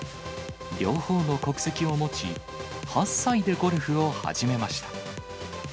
両方の国籍を持ち、８歳でゴルフを始めました。